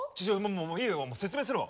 もういいよ説明するわ。